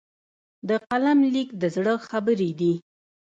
د قلم لیک د زړه خبرې دي.